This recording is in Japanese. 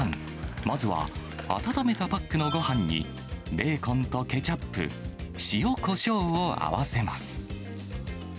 まずは温めたパックのごはんにベーコンとケチャップ、塩こしょうを合わせます。